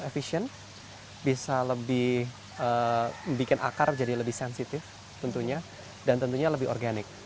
efisien bisa lebih membuat akar jadi lebih sensitif tentunya dan tentunya lebih organik